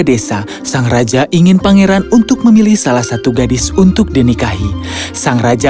desa sang raja ingin pangeran untuk memilih salah satu gadis untuk dinikahi sang raja